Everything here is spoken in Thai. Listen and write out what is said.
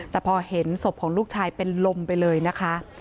แต่พอเห็นศพของลูกชายเป็นลมไปเลยนะคะ